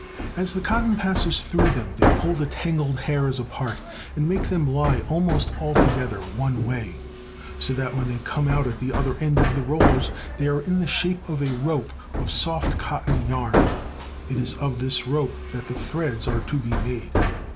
As the cotton passes through them they pull the tangled hairs apart and make them lie almost altogether one way, so Il8 THE SOUTH. that when they come out at the other end of the rollers they are in the shape of a rope of soft cotton yarn. It is of this rope that the threads are to be made.